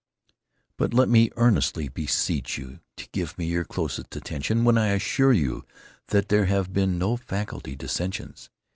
But let me earnestly beseech you to give me your closest attention when I assure you that there have been no faculty dissensions.